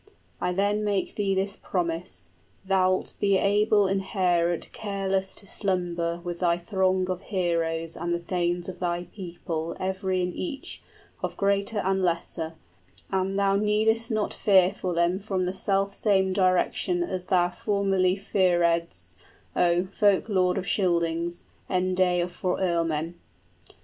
I then make thee this promise, {Heorot is freed from monsters.} Thou'lt be able in Heorot careless to slumber With thy throng of heroes and the thanes of thy people Every and each, of greater and lesser, And thou needest not fear for them from the selfsame direction 25 As thou formerly fearedst, oh, folk lord of Scyldings, End day for earlmen."